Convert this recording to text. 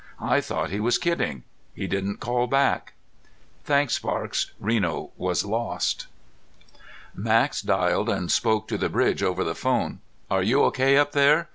I thought he was kidding. He didn't call back." "Thanks, Sparks." Reno was lost. Max dialed and spoke to the bridge over the phone. "Are you okay up there?